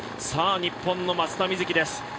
日本の松田瑞生です。